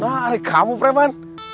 nah dari kamu preman